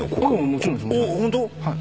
もちろんです